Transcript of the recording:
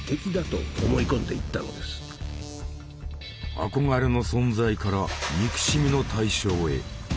憧れの存在から憎しみの対象へ。